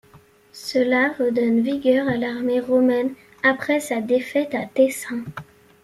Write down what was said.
Cela redonne vigueur à l'armée romaine après sa défaite à Tessin.